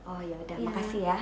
oh yaudah makasih ya